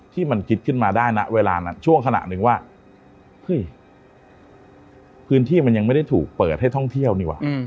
ที่มันคิดขึ้นมาได้นะเวลานั้นช่วงขณะหนึ่งว่าเฮ้ยพื้นที่มันยังไม่ได้ถูกเปิดให้ท่องเที่ยวนี่ว่ะ